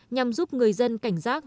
nhằm giúp người dân cảnh giác